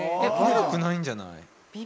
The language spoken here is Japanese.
悪くないんじゃない？